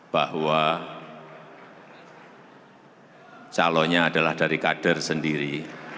bahwa calonnya adalah dari kader sendiri